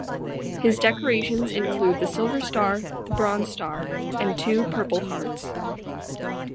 His decorations include the Silver Star, Bronze Star, and two Purple Hearts.